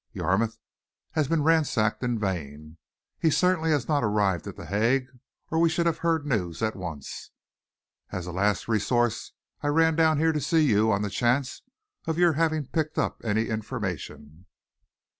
Yarmouth has been ransacked in vain. He certainly has not arrived at The Hague or we should have heard news at once. As a last resource, I ran down here to see you on the chance of your having picked up any information."